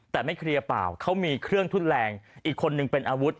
แต่ไม่เคลียร์เปล่าเขามีเครื่องทุนแรงอีกคนนึงเป็นอาวุธ